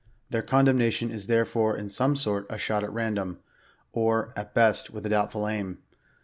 '* Their condemnation is therefore in some sort a shot at random, or, at best, with a doubtful aim.